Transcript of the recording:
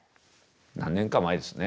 何年か前ですね。